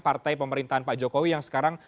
partai pemerintahan pak jokowi yang sekarang